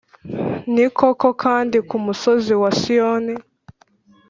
Ni koko kandi, ku musozi wa Siyoni,